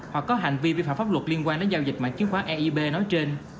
hoặc có hành vi vi phạm pháp luật liên quan đến giao dịch mạng chứng khoán aib nói trên